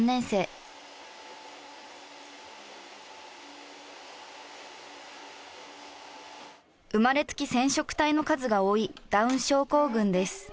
生まれつき染色体の数が多いダウン症候群です。